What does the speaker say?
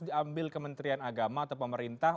diambil kementerian agama atau pemerintah